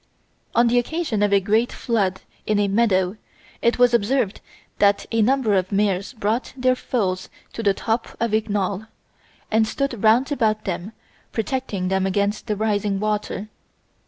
On the occasion of a great flood in a meadow it was observed that a number of mares brought their foals to the top of a knoll, and stood round about them protecting them against the rising water.